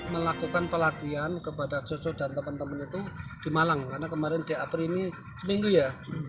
melakukan pelatihan kepada jojo dan teman teman itu di malang karena kemarin di april ini seminggu ya